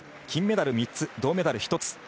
金メダル３つ銅メダル１つ。